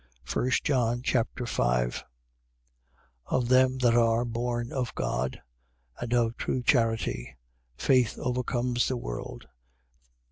1 John Chapter 5 Of them that are born of God, and of true charity. Faith overcomes the world.